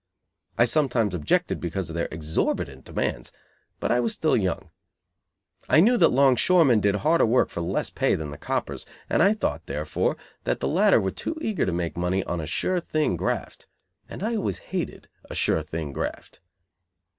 I sometimes objected because of their exorbitant demands, but I was still young. I knew that longshoremen did harder work for less pay than the coppers, and I thought, therefore, that the latter were too eager to make money on a sure thing graft. And I always hated a sure thing graft.